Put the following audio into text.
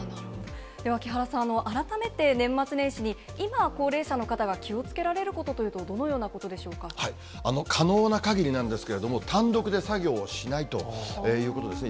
では木原さん、改めて年末年始に今、高齢者の方が気をつけられることというと、どういうことでしょう可能なかぎりなんですけれども、単独で作業をしないということですね。